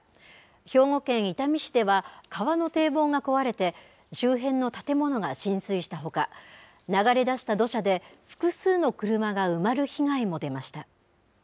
兵庫県伊丹市では、川の堤防が壊れて、周辺の建物が浸水したほか、流れ出した土砂で、複数の車が埋まる被害も出ました。